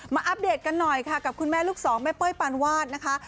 อัปเดตกันหน่อยค่ะกับคุณแม่ลูกสองแม่เป้ยปานวาดนะคะ